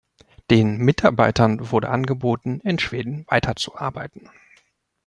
Den Mitarbeitern wurde angeboten, in Schweden weiterzuarbeiten.